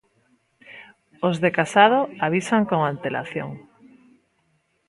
Os de Casado avisan con antelación.